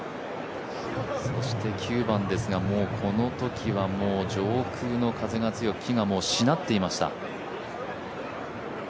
９番ですが、このときはもう上空の風が強く木がもうしなっていました。